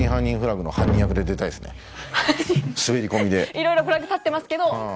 いろいろフラグ立ってますけど。